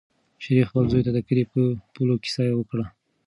شریف خپل زوی ته د کلي د پولو کیسه وکړه.